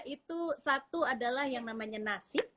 itu satu adalah yang namanya nasib